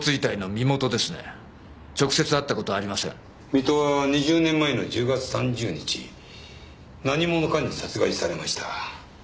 水戸は２０年前の１０月３０日何者かに殺害されました